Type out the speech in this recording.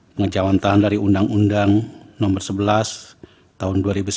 menjawantakan dari undang undang nomor sebelas tahun dua ribu sembilan belas